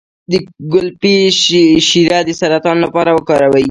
د ګلپي شیره د سرطان لپاره وکاروئ